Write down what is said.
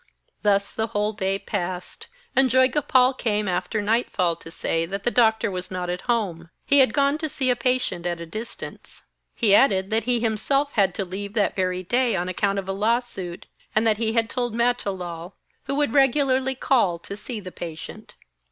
Thus the whole day passed, and Joygopal came after nightfall to say that the doctor was not at home; he had gone to see a patient at a distance. He added that he himself had to leave that very day on account of a lawsuit, and that he had told Matilal, who would regularly call to see the patient.